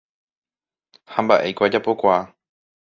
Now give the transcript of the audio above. Ha mba'éiko ajapokuaa.